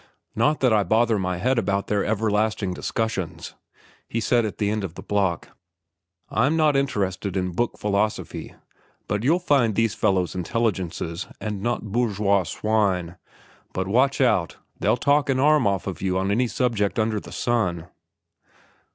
"Not that I bother my head about their everlasting discussions," he said at the end of a block. "I'm not interested in book philosophy. But you'll find these fellows intelligences and not bourgeois swine. But watch out, they'll talk an arm off of you on any subject under the sun."